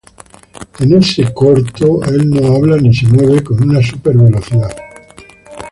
En este corto el no habla ni se mueve con una super velocidad.